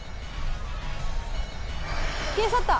消え去った。